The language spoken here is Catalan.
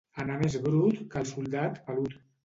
Anar més brut que el soldat pelut.